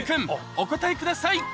お答えください